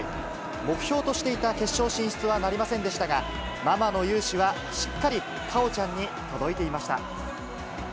目標としていた決勝進出はなりませんでしたが、ママの雄姿はしっかり果緒ちゃんに届いていました。